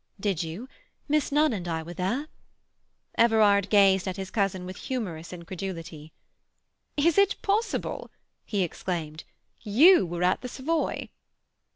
"Did you? Miss Nunn and I were there." Everard gazed at his cousin with humorous incredulity. "Is it possible?" he exclaimed. "You were at the Savoy?"